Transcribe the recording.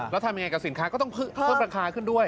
แล้วทำยังไงกับสินค้าก็ต้องเพิ่มราคาขึ้นด้วย